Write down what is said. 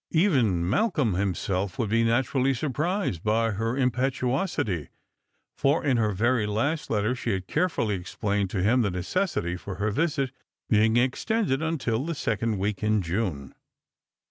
Even Malcolm himself would be naturally surprised by her impetuosity, for in her very last letter Bhe had carefully explained to him the necessity for her visit being extended until the second week in June.